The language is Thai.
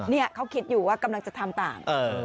นี่เขาคิดอยู่ว่ากำลังจะทำต่าง